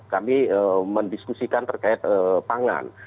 kami mendiskusikan terkait pangan